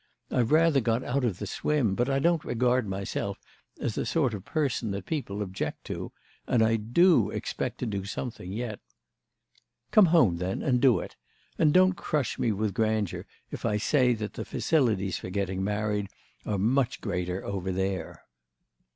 I've rather got out of the swim, but I don't regard myself as the sort of person that people object to. And I do expect to do something yet." "Come home, then, and do it. And don't crush me with grandeur if I say that the facilities for getting married are much greater over there."